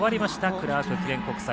クラーク記念国際。